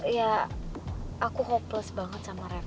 ya aku hopeless banget sama reva mas